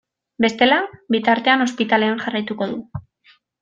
Bestela, bitartean, ospitalean jarraituko dut.